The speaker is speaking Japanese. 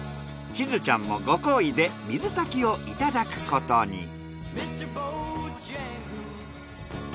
しずちゃんもご厚意で水炊きをいただくことに。